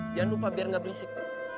jangan lupa biar nggak berisik